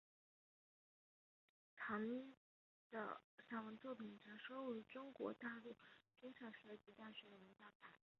唐弢的散文作品曾收录于中国大陆中小学及大学语文教材。